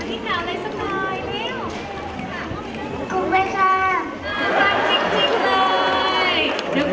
ทีนี้หน่อยมาที่สาว